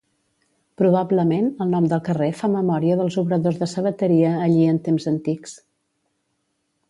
Probablement, el nom del carrer fa memòria dels obradors de sabateria allí en temps antics.